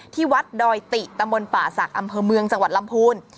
ที่วัดดอยติตำบลป่าศักดิ์อำเภอเมืองจังหวัดลำพูน